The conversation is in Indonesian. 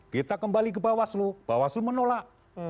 kita kembali ke bawaslu bawaslu menolak